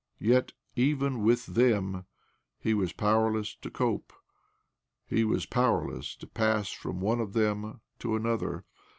Yet even with them he was powerless to cope— he was powerless to pass from one of them to lanother.